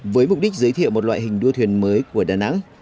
với mục đích giới thiệu một loại hình đua thuyền mới của đà nẵng